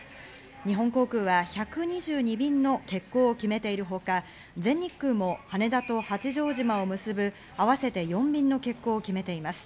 日本航空は１２２便の欠航を決めているほか、全日空も羽田と八丈島を結ぶ合わせて４便の欠航を決めています。